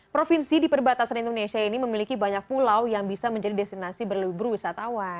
provinsi di perbatasan indonesia ini memiliki banyak pulau yang bisa menjadi destinasi berlibur wisatawan